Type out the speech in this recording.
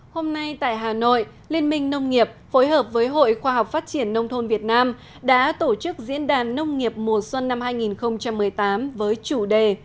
hôm nay tại hà nội liên minh nông nghiệp phối hợp với hội khoa học phát triển nông thôn việt nam đã tổ chức diễn đàn nông nghiệp mùa xuân năm hai nghìn một mươi tám với chủ đề